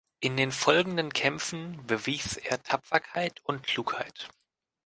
In den folgenden Kämpfen bewies er Tapferkeit und Klugheit.